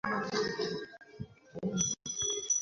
সে অনেক দূর থেকে আমাকে খুঁজতে এসেছিল, জানিস?